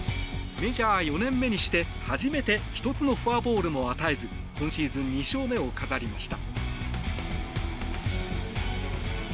メジャー４年目にして初めて１つのフォアボールも与えず今シーズン２勝目を飾りました。